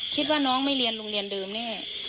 คิดว่าน้องไม่เรียนโรงเรียนเดิมแน่